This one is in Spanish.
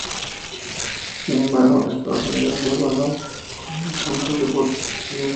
Sin embargo, Estados Unidos lo igualó con un tanto de Buzz Schneider.